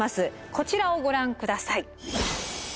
こちらをご覧下さい。